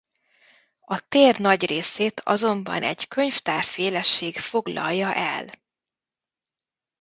A tér nagy részét azonban egy könyvtár-féleség foglalja el.